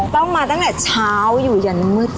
ต้องมาตั้งแต่เช้าอยู่ยันมืด